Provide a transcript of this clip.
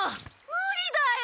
無理だよ！